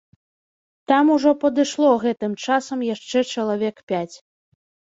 Там ужо падышло гэтым часам яшчэ чалавек пяць.